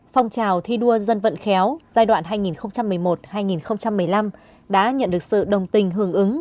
phong trào thi đua dân vận khéo giai đoạn hai nghìn một mươi một hai nghìn một mươi năm đã nhận được sự đồng tình hưởng ứng